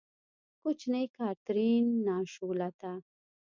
کوچنۍ کاترین، ناشولته!